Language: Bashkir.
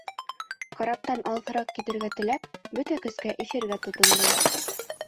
Караптан алыҫыраҡ китергә теләп, бөтә көскә ишергә тотондом.